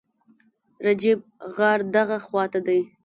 رجیب، غار دغه خواته دی.